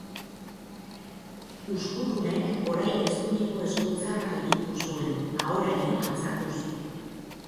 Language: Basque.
Uzkudunek orain eskuineko eskutzarra higitu zuen, ahoraino altxatuz.